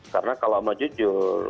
karena kalau amat jujur